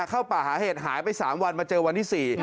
เข้าป่าหาเหตุหายไป๓วันมาเจอวันที่๔